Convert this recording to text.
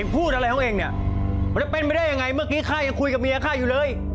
พูดอะไรเขาเองเนี่ยมันจะเป็นไปได้ยังไงเมื่อกี้ข้ายังคุยกับเมียค่ายอยู่เลย